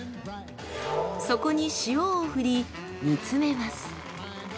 そこに塩を振り煮詰めます。